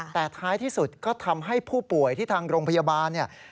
แต่ท้ายที่สุดก็ทำให้ผู้ป่วยที่ทางโรงพยาบาลเนี่ย